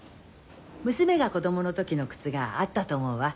娘が子供の時の靴があったと思うわ。